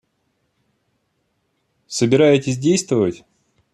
Собираетесь действовать?